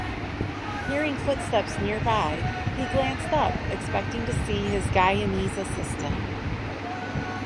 Hearing footsteps nearby, he glanced up, expecting to see his Guyanese assistant.